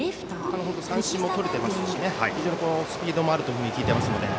三振もとれていますしスピードもあると聞いてますので。